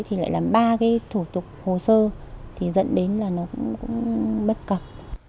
thì lại làm ba cái thủ tục hồ sơ thì dẫn đến là nó cũng bất cập